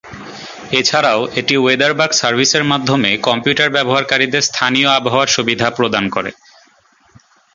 এছাড়াও এটি ওয়েদারবাগ সার্ভিসের মাধ্যমে কম্পিউটার ব্যবহারকারীদের স্থানীয় আবহাওয়ার সুবিধা প্রদান করে।